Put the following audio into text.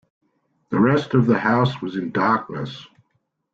The rest of the house was in darkness.